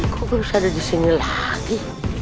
kok belum ada di sini lagi